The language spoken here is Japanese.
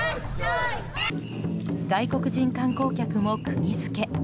外国人観光客も釘付け。